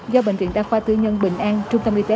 do bệnh viện đa khoa tư nhân bình an trung tâm y tế